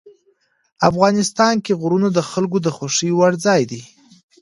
افغانستان کې غرونه د خلکو د خوښې وړ ځای دی.